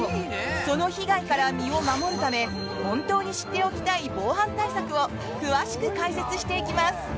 その被害から身を守るため本当に知っておきたい防犯対策を詳しく解説していきます。